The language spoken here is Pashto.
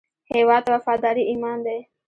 هیواد ته وفاداري ایمان دی